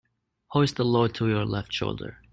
Hoist the load to your left shoulder.